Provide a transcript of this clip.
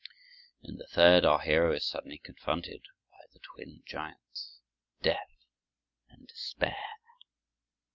In the third our hero is suddenly confronted by the twin giants, death and despair.